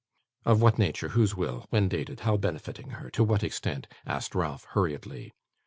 'Of what nature, whose will, when dated, how benefiting her, to what extent?' asked Ralph hurriedly.